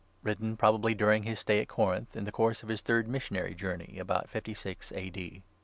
WRITTEN PROBABLY DURING HIS STAY AT CORINTH, IN THE COURSE OF HIS THIRD MISSIONARY JOURNEY, ABOUT 56 A.